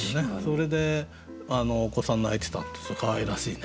それでお子さん泣いてたってかわいらしいね。